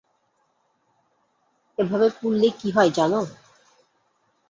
এভাবে পুড়লে কী হয় জানো?